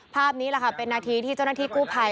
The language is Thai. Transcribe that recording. ภาพนี้แหละค่ะเป็นนาทีที่เจ้าหน้าที่กู้ภัย